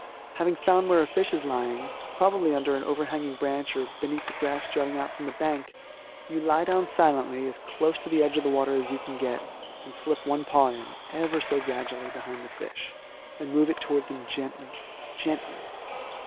Having found where a fish is lying, probably under an overhanging branch or beneath the grass jutting out from the bank, you lie down silently as close to the edge of the water as you can get, and slip one paw in, ever so gradually, behind the fish, and move it towards him gently gently.